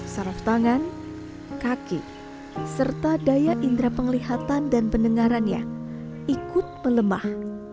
saraf tangan kaki serta daya indera penglihatan dan pendengarannya ikut melemah